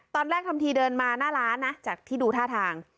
ตอนแรกทำทีเดินมาหน้าร้านนะจากที่ดูท่าทาง